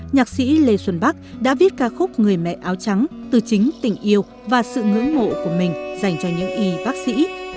nhạc sĩ lê xuân bắc đã viết ca khúc người mẹ áo trắng từ chính tình yêu và sự ngưỡng mộ của mình dành cho những y bác sĩ